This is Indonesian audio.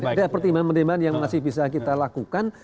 ada pertimbangan pertimbangan yang masih bisa kita lakukan